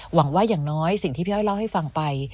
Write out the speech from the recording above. หวังว่าอย่างน้อยสิ่งที่พี่อ้อยเล่าให้ฟังไป